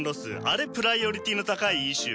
あれプライオリティーの高いイシューかと。